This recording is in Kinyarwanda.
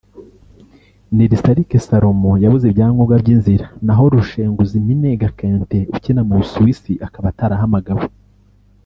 Nirisarike Salomon yabuze ibyangombwa by’inzira naho Rushenguziminega Quentin ukina mu Busuwisi akaba atarahamagawe